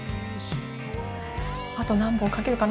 あと何本描けるかな？